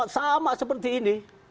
sama seperti ini